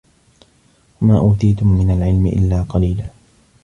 وَمَا أُوتِيتُمْ مِنْ الْعِلْمِ إلَّا قَلِيلًا